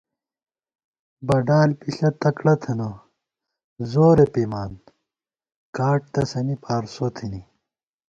بڈال پِݪہ تکڑہ تھنہ زورے پِمان کاٹ تسَنی پارسو تھنی